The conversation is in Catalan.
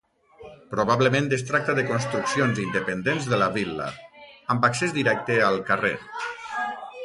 Probablement es tracta de construccions independents de la vil·la, amb accés directe al carrer.